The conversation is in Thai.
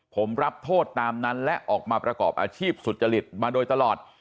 ผมรับโทษตามนั้นและออกมาประกอบอาชีพสุจริตมาโดยตลอด